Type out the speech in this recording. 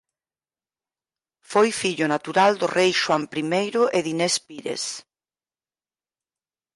Foi fillo natural do rei Xoán I e de Inés Pires.